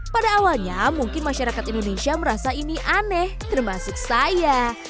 pada awalnya mungkin masyarakat indonesia merasa ini aneh termasuk saya